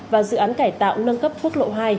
và dự án cải tạo nâng cấp quốc lộ hai